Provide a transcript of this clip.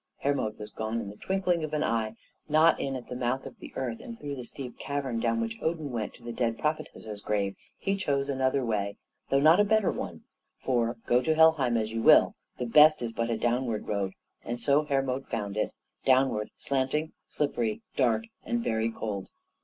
Hermod was gone in the twinkling of an eye, not in at the mouth of the earth and through the steep cavern down which Odin went to the dead prophetess's grave; he chose another way, though not a better one; for, go to Helheim as you will, the best is but a downward road, and so Hermod found it downward, slanting, slippery, dark, and very cold.